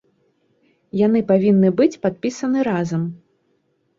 Яны павінны быць падпісаны разам.